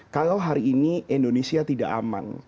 kalau hari ini indonesia tidak aman